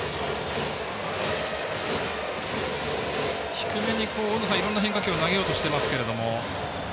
低めに、いろんな変化球を投げようとしていますけども。